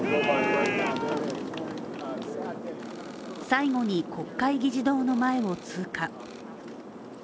最後に国会議事堂の前を通過。